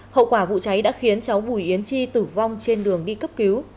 hậu quả vụ cháy đã khiến cháu bùi yến chi tử vong trên đường đi cấp cứu